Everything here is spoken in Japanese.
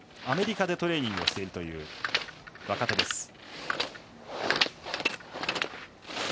アメリカでトレーニングをしているという若手です。